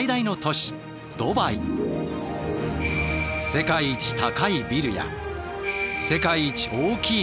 世界一高いビルや世界一大きい観覧車